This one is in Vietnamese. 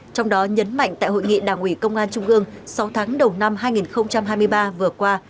trong đó nhấn mạnh tại hội nghị đảng ủy công an trung ương sáu tháng đầu năm hai nghìn hai mươi ba vừa qua